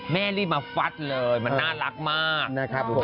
แม่ลิมาฟัดเลยมันน่ารักมาก